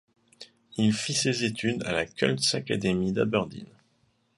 Il fit ses études à la Cults Academy d'Aberdeen.